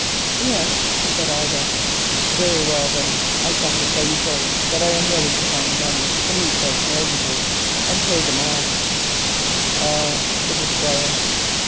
"Yes," said Ida. "Very well then, I come to tell you both that I am ready to find the money to meet those mortgages and to pay them off in full." "Ah!" said the Squire.